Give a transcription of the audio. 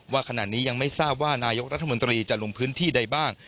ว่าขณะนี้ยังไม่ทราบว่านายกรัฐมนตรีจะลงพื้นที่ใดบ้าง